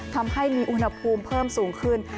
ทำให้มีอุณหภูมิเพิ่มสูงขึ้น